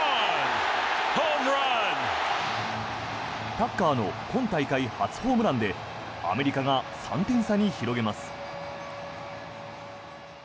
タッカーの今大会初ホームランでアメリカが３点差に広げます。